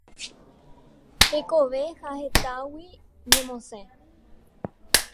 Hekove ha hetãgui ñemosẽ.